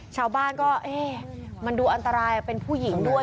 ชาวบ้านก็เอ๊ะมันดูอันตรายเป็นผู้หญิงด้วย